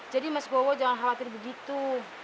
jadi mas gowo jangan khawatir begitu